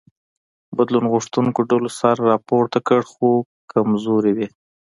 بدلون غوښتونکو ډلو سر راپورته کړ خو کمزوري وې.